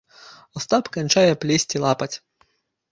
Астап канчае плесці лапаць.